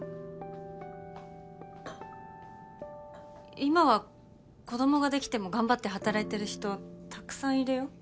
今は子供ができても頑張って働いてる人たくさんいるよ。